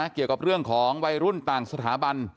เกี่ยวกับเรื่องของวัยรุ่นต่างสถาบัน